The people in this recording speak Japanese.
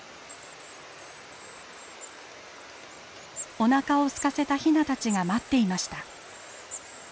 おなかをすかせたヒナたちが待っていました。